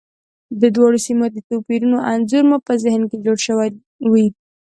د دواړو سیمو د توپیرونو انځور مو په ذهن کې جوړ شوی وي.